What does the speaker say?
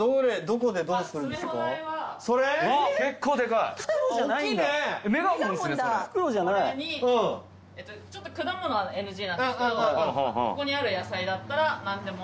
これにちょっと果物はＮＧなんですけどここにある野菜だったら何でも。